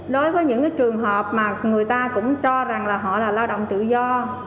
đối với những trường hợp mà người ta cũng cho rằng là họ là lao động tự do